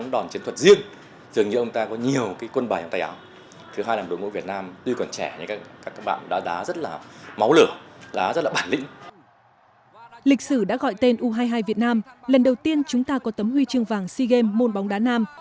lịch sử đã gọi tên u hai mươi hai việt nam lần đầu tiên chúng ta có tấm huy chương vàng sea games môn bóng đá nam